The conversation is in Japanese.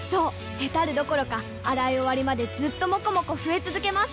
ヘタるどころか洗い終わりまでずっともこもこ増え続けます！